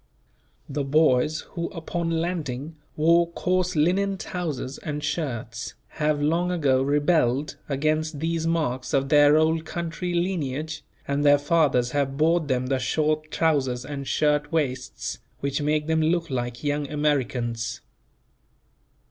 The boys who upon landing wore coarse linen trousers and shirts have long ago rebelled against these marks of their Old Country lineage, and their fathers have bought them the short trousers and shirt waists, which make them look like young Americans.